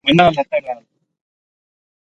مَنا لَتاں نال